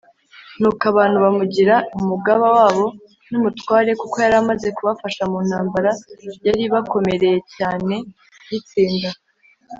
nuko abantu bamugira umugaba wabo n umutware kuko yaramaze kubafasha mu ntambara yaribakomereye cyane kuyitsinda